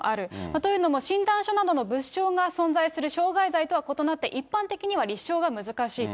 というのも、診断書などの物証が存在する傷害罪とは異なって、一般的な立証が難しいと。